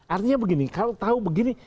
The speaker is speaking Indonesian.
artinya begini kalau tahu begini